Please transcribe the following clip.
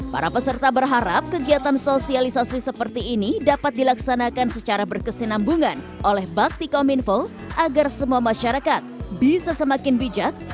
para peserta berharap kegiatan sosialisasi seperti ini dapat dilaksanakan secara berkesinambungan oleh bakti kominfo agar semua masyarakat bisa semakin bijak